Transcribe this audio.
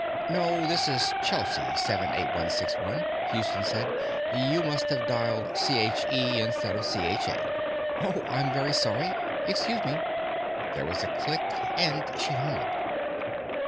"No, this is CHElsea 7 8161," Houston said. "You must have dialed C H E instead of C H A." "Oh. I'm very sorry. Excuse me." There was a click, and she hung up.